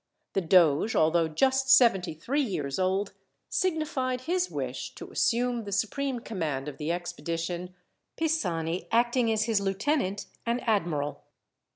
The doge, although just seventy three years old, signified his wish to assume the supreme command of the expedition, Pisani acting as his lieutenant and admiral.